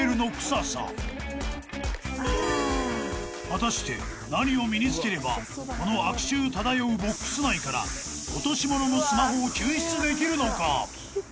［果たして何を身につければこの悪臭漂うボックス内から落とし物のスマホを救出できるのか？］